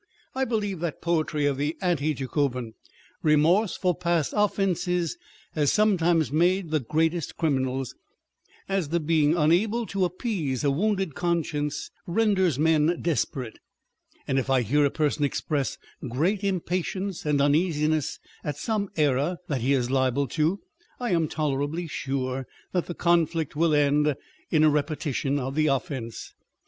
I believe that 1 Poetry of the Anti Jacobin. On Depth and Superficiality. 493 remorse for past offences has sometimes made the greatest criminals, as the being tmable to appease a wounded con science renders men desperate ; and if I hear a person express great impatience and uneasiness at some error that he is liable to, I am tolerably sure that the conflict will end in a repetition of the offence.